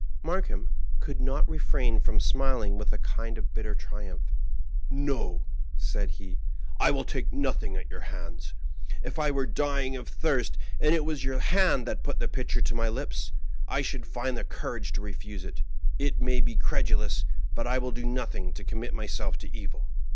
Markheim could not refrain from smiling with a kind of bitter triumph. " No," said he, " I will take nothing at your hands : if I were dying of thirst, and it was your hand that put the pitcher to my lips, I should find the courage to refuse it. It may be credulous, but I will do nothing to commit myself to evil."